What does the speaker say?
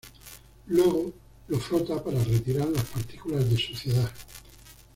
Luego, lo frota para retirar las partículas de suciedad.